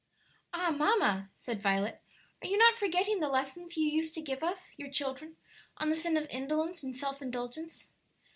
"Ah, mamma," said Violet, "are you not forgetting the lessons you used to give us, your children, on the sin of indolence and self indulgence?"